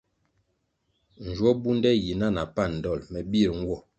Njwo bunde yi na na pan dol me bir nwo.